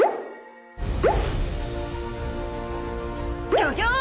ギョギョッ！